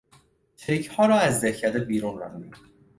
چریکها را از دهکده بیرون راندیم.